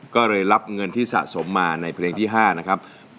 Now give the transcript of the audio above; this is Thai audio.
ก็เลยรับเงินที่สะสมมาในเพลงที่๕นะครับ